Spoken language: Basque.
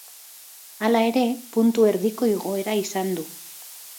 Hala ere, puntu erdiko igoera izan du.